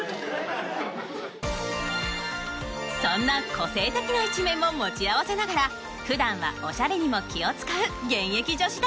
そんな個性的な一面も持ち合わせながら普段はオシャレにも気を使う現役女子大生。